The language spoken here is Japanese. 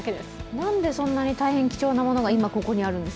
なんで、そんなに大変貴重なものが今、ここにあるんですか？